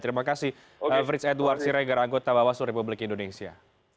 terima kasih frits edward sireger anggota bawasur republik indonesia